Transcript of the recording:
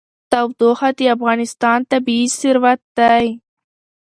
تودوخه د افغانستان طبعي ثروت دی.